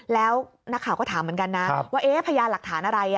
แล้วนักข่าวก็ถามเหมือนกันนะว่าพยานหลักฐานอะไร